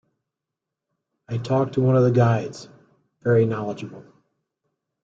I talked to one of the guides – very knowledgeable.